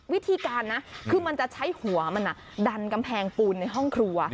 วิธีการนะคือมันจะใช้หัวมันดันกำแพงปูนในห้องครัว